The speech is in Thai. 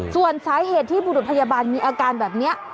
ส่วนสาเหตุที่บุรุษพยาบาลมีอาการแบบนี้